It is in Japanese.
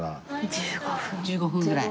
１５分ぐらい。